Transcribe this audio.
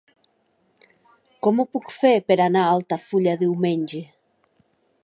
Com ho puc fer per anar a Altafulla diumenge?